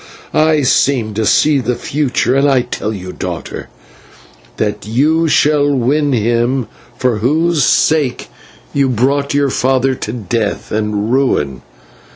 I seem to see the future, and I tell you, daughter, that you shall win him for whose sake you brought your father to death and ruin.